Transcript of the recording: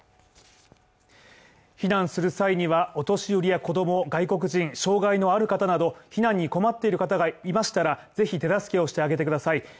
避難する際には、お年寄りや子供外国人、障がいのある方など、避難に困っている方がいましたら、ぜひ手助けをしてあげてください。